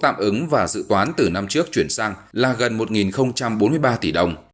tạm ứng và dự toán từ năm trước chuyển sang là gần một bốn mươi ba tỷ đồng